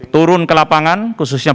turun ke lapangan khususnya